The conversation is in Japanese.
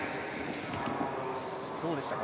どうでしたか？